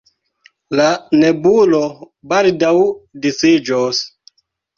La nebulo baldaŭ disiĝos.